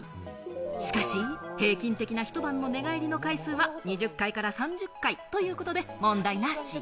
しかし平均的な一晩の寝返りの回数は２０回から３０回ということで問題なし。